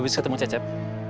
abis ketemu cecep